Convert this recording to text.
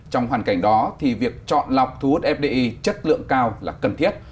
trong hoàn cảnh đó thì việc chọn lọc thu hút fdi chất lượng cao là cần thiết